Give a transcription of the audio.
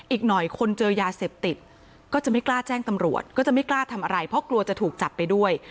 อีกหน่อยคนเจอยาเสพติดก็จะไม่กล้าแจ้งตำรวจก็จะไม่กล้าทำอะไรเพราะกลัวจะถูกจับไปด้วย